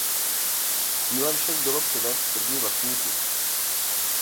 Cílem však bylo přivést první vlastníky.